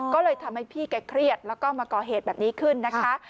ก็เลยทำให้พี่แกเครียดแล้วก็มาก่อเหตุแบบนี้ขึ้นนะคะ